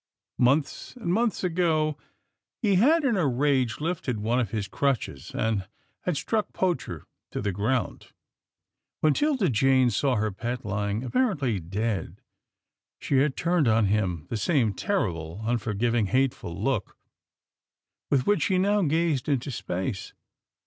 Months and months ago, he had, in a rage, lifted one of his crutches and had struck Poacher to the ground. When 'Tilda Jane saw her pet lying apparently dead, she had turned on him the same terrible, unforgiving, hateful look with which she now gazed into space.